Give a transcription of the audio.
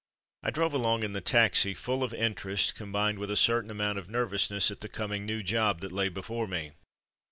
I drove along in the taxi, full of interest, combined with a certain amount of nervousness at the coming new job that lay before me.